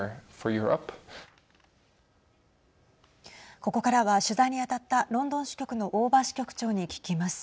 ここからは取材に当たったロンドン支局の大庭支局長に聞きます。